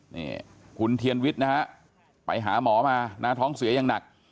นี่คุณเทียนวิทย์นะฮะไปหาหมอมานะท้องเสียอย่างหนัก